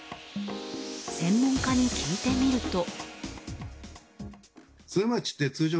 専門家に聞いてみると。